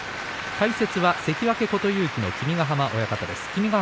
解説は関脇琴勇輝の君ヶ濱親方です。